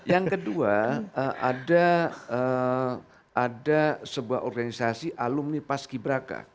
yang kedua ada sebuah organisasi alumni pas ki braka